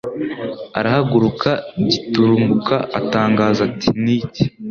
Arahaguruka giturumbuka atangaza ati Niki